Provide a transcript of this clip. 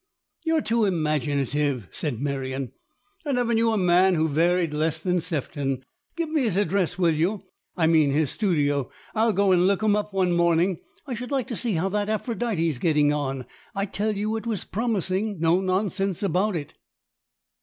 " You're too imaginative," said Merion. " I never knew a man who varied less than Sefton. Give me his address, will you ? I mean his studio. I'll go and look him up one morning. I should like to see how that ' Aphrodite's ' getting on. I tell you it was promising ; no nonsense about it."